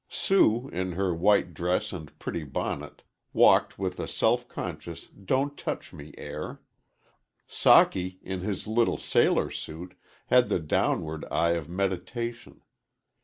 Sue, in her white dress and pretty bonnet, walked with a self conscious, don't touch me air. Socky, in his little sailor suit, had the downward eye of meditation.